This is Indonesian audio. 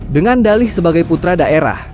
dengan dalih sebagai putra daerah